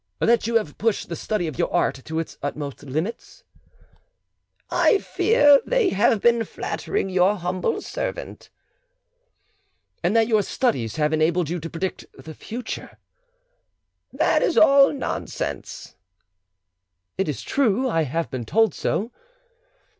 "That you have pushed the study of your art to its utmost limits." "I fear they have been flattering your humble servant." "And that your studies have enabled you to predict the future." "That is all nonsense." "It is true; I have been told so."